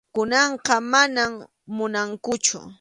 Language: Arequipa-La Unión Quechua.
Kunanqa manam munankuchu.